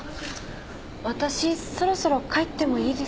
私そろそろ帰ってもいいですか？